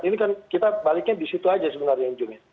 ini kan kita baliknya di situ aja sebenarnya ujungnya